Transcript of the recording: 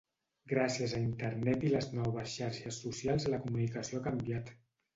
Gràcies a Internet i les noves xarxes socials la comunicació ha canviat.